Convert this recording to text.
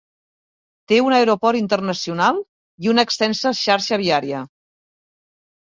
Té un aeroport internacional i una extensa xarxa viària.